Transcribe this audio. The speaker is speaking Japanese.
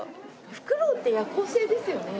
ふくろうって夜行性ですよね？